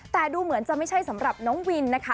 แต่ดูเหมือนจะไม่ใช่สำหรับน้องวินนะคะ